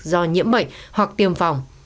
do nhiễm bệnh hoặc tiêm phòng